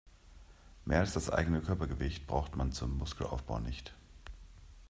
Mehr als das eigene Körpergewicht braucht man zum Muskelaufbau nicht.